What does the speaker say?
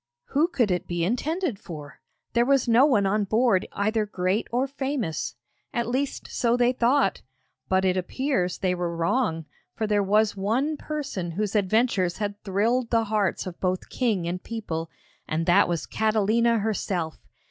Who could it be intended for? There was no one on board either great or famous! At least so they thought, but it appears they were wrong, for there was one person whose adventures had thrilled the hearts of both king and people, and that was Catalina herself.